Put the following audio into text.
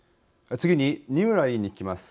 次に二村委員に聞きます。